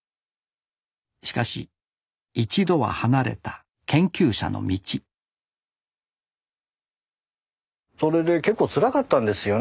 しかし一度は離れた研究者の道それで結構つらかったんですよね